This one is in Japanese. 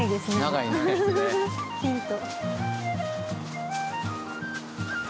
長いね。ヒント。